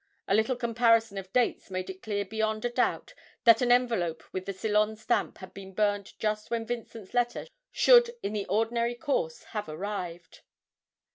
A little comparison of dates made it clear beyond a doubt that an envelope with the Ceylon stamp had been burnt just when Vincent's letter should in the ordinary course have arrived.